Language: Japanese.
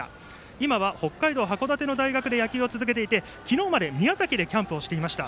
今は北海道の函館の大学で野球を続けていて昨日まで宮崎でキャンプをしていました。